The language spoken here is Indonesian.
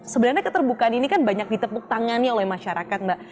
sebenarnya keterbukaan ini kan banyak ditepuk tangannya oleh masyarakat mbak